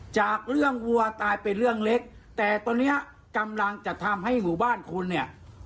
จากเรื่องวัวตายเป็นเรื่องเล็กแต่ตอนนี้กำลังจะทำให้หมู่บ้านคุณเนี่ย